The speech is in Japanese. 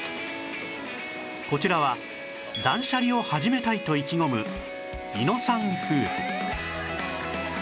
こちらは断捨離を始めたい！と意気込む猪野さん夫婦